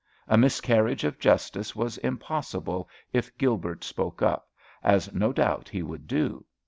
A miscarriage of justice was impossible if Gilbert spoke up, as no doubt he would do.